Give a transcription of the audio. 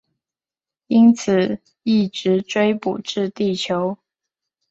因此一直追捕至地球。